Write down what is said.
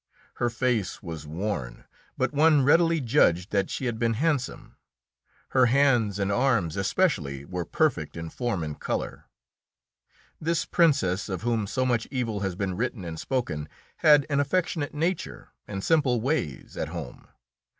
Her face was worn, but one readily judged that she had been handsome; her hands and arms especially were perfect in form and colour. This Princess, of whom so much evil has been written and spoken, had an affectionate nature and simple ways at home.